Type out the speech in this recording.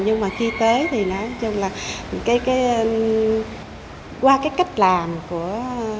nhưng khi tới thì nói chung là qua cách làm của